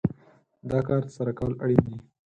دا کار ترسره کول اړين دي.